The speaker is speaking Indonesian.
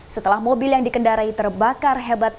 setelah mobil yang dikendarai terbakar hebat